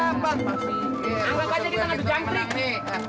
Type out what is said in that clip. anggap aja kita nggak duk jantri